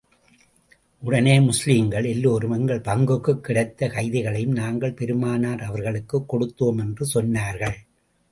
உடனே முஸ்லிம்கள் எல்லோரும் எங்கள் பங்குக்கு கிடைத்த கைதிகளையும் நாங்கள் பெருமானார் அவர்களுக்குக் கொடுத்தோம் என்று சொன்னார்கள்.